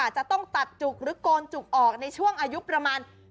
จะต้องตัดจุกหรือโกนจุกออกในช่วงอายุประมาณ